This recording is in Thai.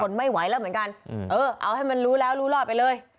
ไม่ไหวแล้วเหมือนกันเออเอาให้มันรู้แล้วรู้รอดไปเลย